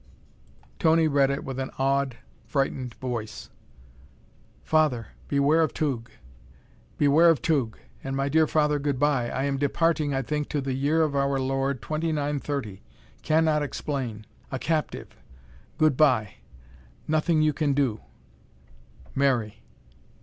Tony read it with an awed, frightened voice: "Father, beware of Tugh! Beware of Tugh! And, my dear Father, good by. I am departing, I think, to the year of our Lord, 2930. Cannot explain a captive good by nothing you can do Mary."